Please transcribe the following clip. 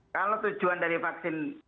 kalau tujuan dari vaksin